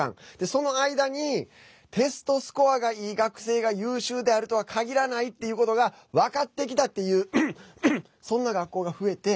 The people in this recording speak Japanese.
その間にテストスコアがいい学生が優秀であるとは限らないっていうことが分かってきたっていうそんな学校が増えて。